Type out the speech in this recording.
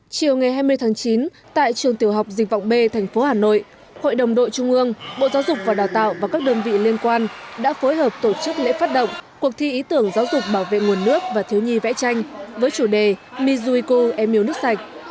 chiều ngày hai mươi tháng chín tại trường tiểu học dịch vọng b tp hà nội hội đồng đội trung ương bộ giáo dục và đào tạo và các đơn vị liên quan đã phối hợp tổ chức lễ phát động cuộc thi ý tưởng giáo dục bảo vệ nguồn nước và thiếu nhi vẽ tranh với chủ đề mizuiku emil nước sạch